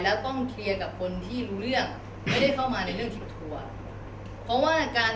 ค่าต้องส่งมอบให้กับเจ้าหน้าที่แล้วกว่านั้นครับ